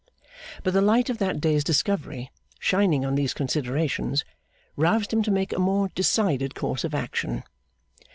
But the light of that day's discovery, shining on these considerations, roused him to take a more decided course of action.